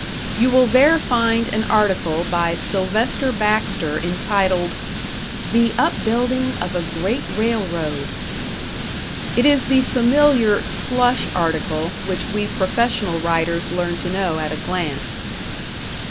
You will there find an article by Sylvester Baxter entitled "The Upbuilding of a Great Railroad." It is the familiar "slush" article which we professional writers learn to know at a glance.